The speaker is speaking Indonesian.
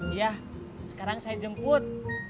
iya sekarang saya jemput